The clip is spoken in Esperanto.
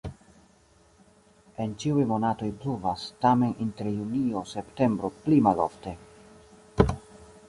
En ĉiuj monatoj pluvas, tamen inter junio-septembro pli malofte.